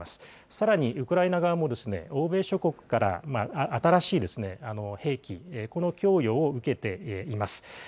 さらに、ウクライナ側も欧米諸国から新しい兵器、この供与を受けています。